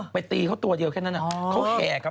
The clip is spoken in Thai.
ตีเขาตัวเดียวแค่นั้นเขาแห่กัน